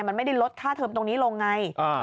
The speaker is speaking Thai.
มันไม่ได้ลดค่าเทอมตรงนี้ลงไง